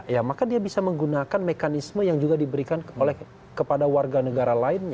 ya maka dia bisa menggunakan mekanisme yang juga diberikan kepada warga negara lainnya